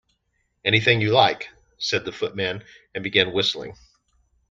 ‘Anything you like,’ said the Footman, and began whistling.